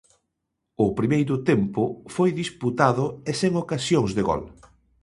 O primeiro tempo foi disputado e sen ocasións de gol.